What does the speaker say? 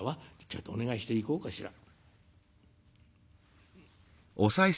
ちょいとお願いしていこうかしら」。